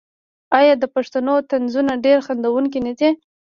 آیا د پښتنو طنزونه ډیر خندونکي نه دي؟